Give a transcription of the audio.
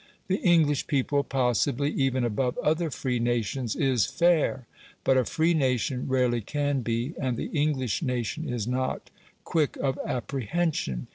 The English people, possibly even above other free nations, is fair. But a free nation rarely can be and the English nation is not quick of apprehension.